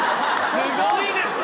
すごいですね。